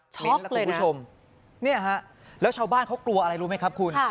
มิ้นและคุณผู้ชมเนี่ยฮะแล้วชาวบ้านเขากลัวอะไรรู้ไหมครับคุณ